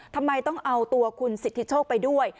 ทำไมต้องเอาตัวคุณสิทธิโชคไปด้วย